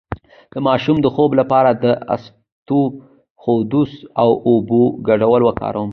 د ماشوم د خوب لپاره د اسطوخودوس او اوبو ګډول وکاروئ